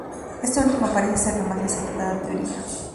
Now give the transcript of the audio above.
Esta última parece ser la más acertada teoría.